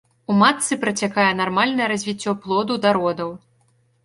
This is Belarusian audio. У матцы працякае нармальнае развіццё плоду да родаў.